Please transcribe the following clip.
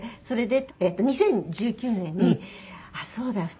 それで２０１９年にあっそうだ！